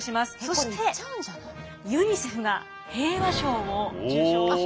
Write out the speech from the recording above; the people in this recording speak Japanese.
そしてユニセフが平和賞を受賞しました。